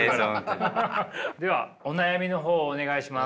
ではお悩みの方をお願いします。